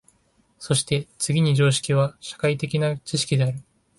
そして次に常識は社会的な知識である。